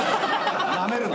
なめるな！